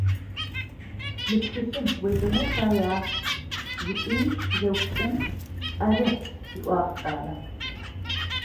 «Мы тхылъым уеджэнэу уфая?», - ыӏуи зеупчӏым, «ары», - ыӏуагъ кӏалэм.